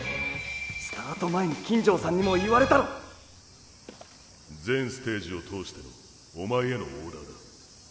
スタート前に金城さんにも言われたろ全ステージを通してのおまえへの作戦だ。